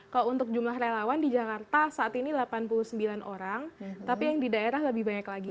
kalau untuk jumlah relawan di jakarta saat ini delapan puluh sembilan orang tapi yang di daerah lebih banyak lagi